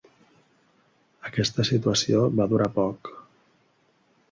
Aquesta situació va durar poc.